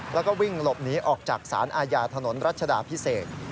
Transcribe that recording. แล้วก็วิ่งหลบหนีออกจากสารอาญาถนนรัชดาพิเศษ